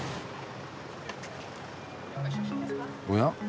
おや？